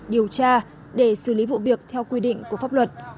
điều tra để xử lý vụ việc theo quy định của pháp luật